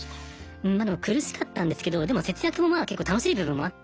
うん何だろう苦しかったんですけどでも節約もまあ結構楽しい部分もあって。